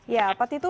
ya pak titu